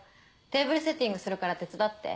テーブルセッティングするから手伝って。